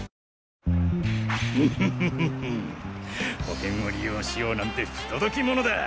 保険を利用しようなんて不届き者だ。